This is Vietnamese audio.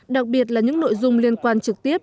đặc biệt là những nội dung liên quan trực tiếp